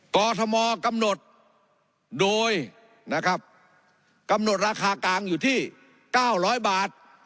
กรทมกำหนดโดยนะครับกำหนดราคากลางอยู่ที่๙๐๐บาท